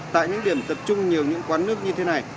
tại những điểm tập trung nhiều những quán nước như thế này